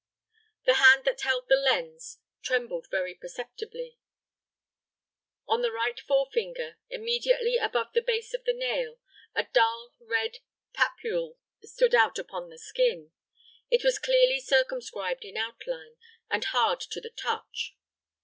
The hand that held the lense trembled very perceptibly. On the right forefinger, immediately above the base of the nail, a dull red papule stood out upon the skin. It was clearly circumscribed in outline, and hard to the touch.